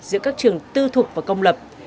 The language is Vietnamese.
giữa các trường tư thuộc và công lập